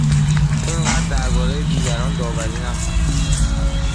اینقدر دربارهی دیگران داوری نکن!